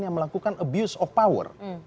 yang melakukan abuse of power